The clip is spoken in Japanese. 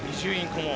顧問